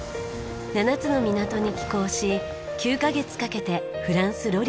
７つの港に寄港し９カ月かけてフランスロリアンへ。